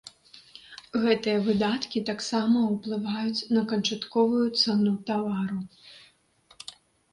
Гэтыя выдаткі таксама ўплываюць на канчатковую цану тавару.